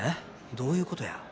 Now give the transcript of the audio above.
どういうことや？